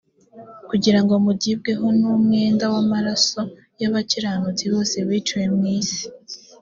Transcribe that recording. kugira ngo mugibweho n umwenda w amaraso y abakiranutsi bose biciwe mu isi